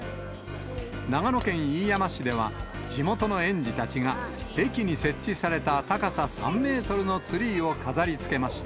長野県飯山市では、地元の園児たちが駅に設置された高さ３メートルのツリーを飾りつけました。